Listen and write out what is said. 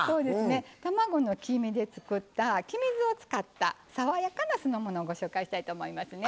卵の黄身で作った黄身酢を使った爽やかな酢の物をご紹介したいと思いますね。